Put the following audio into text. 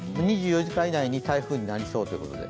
２４時間以内に台風になりそうということで。